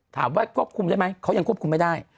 ถามว่ากบคุมใช่ไหมเขายังควบคุมไม่ได้